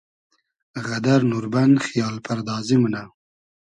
غئدئر نوربئن خییال پئردازی مونۂ